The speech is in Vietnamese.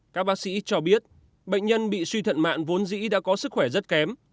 các bác sĩ cho biết bệnh nhân bị suy thận mạn vốn dĩ đã có sức khỏe rất kém